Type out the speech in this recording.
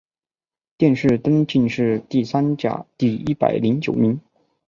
殿试登进士第三甲第一百零九名。